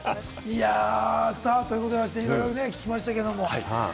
ということでございまして、いろいろ聞きましたけれども。